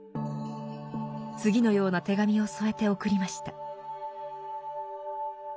次のような手紙を添えて送りました。